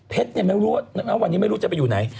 เพชรเนี่ยไม่รู้ว่าวันนี้ไม่รู้จะไปอยู่ไหน